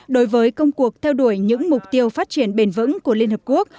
đối với công cuộc theo đuổi những mục tiêu phát triển bền vững của liên hợp quốc